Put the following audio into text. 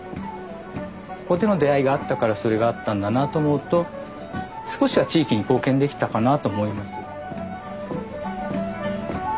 ここでの出会いがあったからそれがあったんだなと思うと少しは地域に貢献できたかなあと思います。